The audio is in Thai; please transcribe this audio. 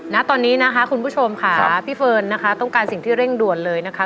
ณตอนนี้นะคะคุณผู้ชมค่ะพี่เฟิร์นนะคะต้องการสิ่งที่เร่งด่วนเลยนะคะ